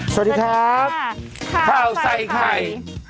สวัสดีครับข้าวใส่ไข่